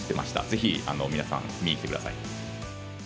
ぜひ皆さん、見に来てください。